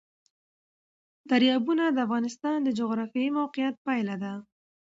دریابونه د افغانستان د جغرافیایي موقیعت پایله ده.